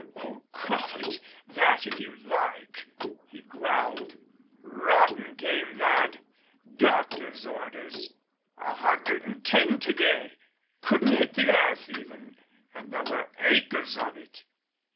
"Oh, call it that if you like," he growled. "Rotten game, that. Doctor's orders. A hundred and ten to day. Couldn't hit the earth even and there were acres of it."